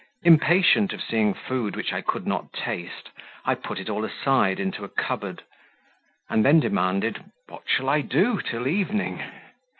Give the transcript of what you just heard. Impatient of seeing food which I could not taste, I put it all aside into a cupboard, and then demanded, "What shall I do till evening?"